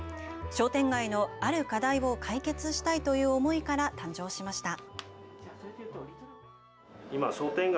商店街のある課題を解決したいという思いから誕生しました。